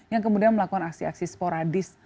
yang kemudian melakukan aksi aksi sporadis